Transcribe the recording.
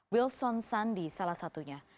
wilson sandi salah satunya